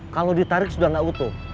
kalau ditarik sudah tidak utuh